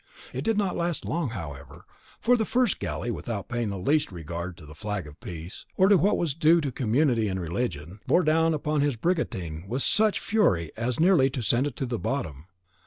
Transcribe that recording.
It did not last long however; for the first galley, without paying the least regard to the flag of peace, or to what was due to a community in religion, bore down upon his brigantine with such fury as nearly to send it to the bottom.